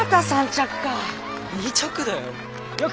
２着だよ。